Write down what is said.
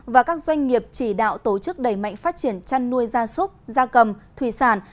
và các doanh nghiệp chỉ đạo tổ chức đẩy mạnh phát triển chăn nuôi gia súc gia cầm thủy sản